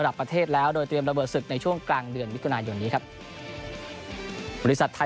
กับแคมเปญการแข่งขันฟุตบอลรุ่นอายุ๑๓ปีที่ยิ่งใหญ่ในประเทศไทย